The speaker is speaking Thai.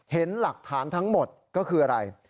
เห็นหลักฐานทั้งหมดก็คืออะไร